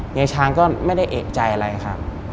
ยายช้างก็ไม่ได้เอกใจอะไรครับ